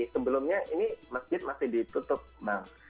sebelumnya ini masjid masih ditutup bang